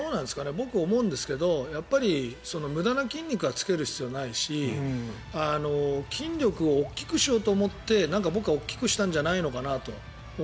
僕、思うんですがやっぱり無駄な筋肉はつける必要がないし筋力を大きくしようと思って僕は大きくしたんじゃないのかなと。